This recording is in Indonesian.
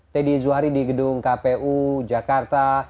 teddy zuhari di gedung kpu jakarta